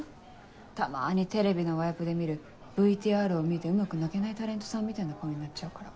たまにテレビのワイプで見るＶＴＲを見てうまく泣けないタレントさんみたいな顔になっちゃうから。